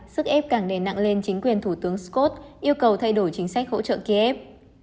sức ép càng nề nặng lên chính quyền thủ tướng scott yêu cầu thay đổi chính sách hỗ trợ kiev